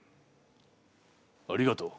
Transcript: ありがとう。